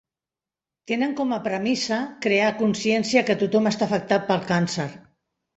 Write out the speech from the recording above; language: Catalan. Tenen com a premissa crear consciència que tothom està afectat pel càncer.